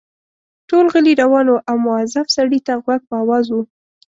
ټول غلي روان وو او مؤظف سړي ته غوږ په آواز وو.